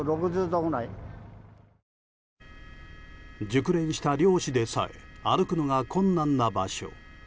熟練した猟師でさえ歩くのが困難な場所。